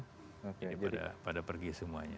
jadi pada pergi semuanya